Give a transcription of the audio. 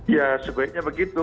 ya sebaiknya begitu